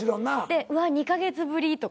うわ２カ月ぶりとか。